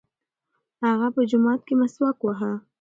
هغه په جومات کې مسواک واهه.